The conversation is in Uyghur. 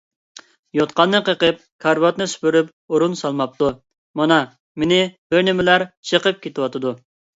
يوتقاننى قېقىپ، كارىۋاتنى سۈپۈرۈپ ئورۇن سالماپتۇ، مانا مېنى بىرنېمىلەر چېقىپ كېتىۋاتىدۇ.